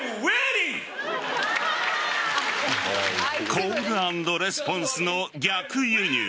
コール＆レスポンスの逆輸入。